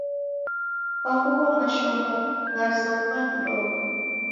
Kwahuwo mashomo ghazoghua kidogo.